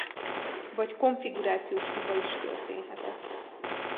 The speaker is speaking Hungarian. Vagy konfigurációs hiba is történhetett.